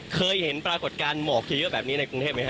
เคยเห็นปรากฏการณ์หมอกเยอะแบบนี้ในกรุงเทพไหมครับ